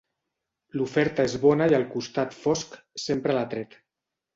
L'oferta és bona i el costat fosc sempre l'ha atret.